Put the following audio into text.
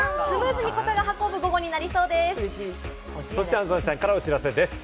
安斉さんからお知らせです。